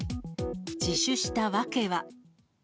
自首した訳は。